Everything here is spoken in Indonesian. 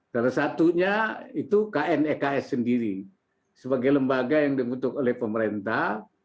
salah satunya itu kneks sendiri sebagai lembaga yang dibutuhkan oleh pemerintah